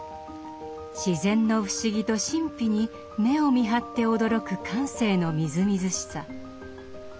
自然の不思議と神秘に目をみはって驚く感性のみずみずしさ。